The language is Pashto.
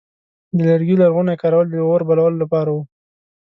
د لرګي لرغونی کارول د اور بلولو لپاره و.